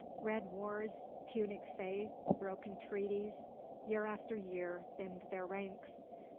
Red wars, Punic faith, broken treaties, year after year, thinned their ranks.